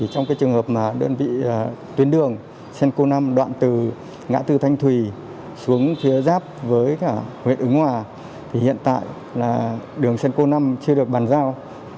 trong trường hợp đơn vị tuyến đường senco năm đoạn từ ngã tư thanh thùy xuống phía giáp với huyện ứng hòa thì hiện tại đường senco năm chưa được bản giao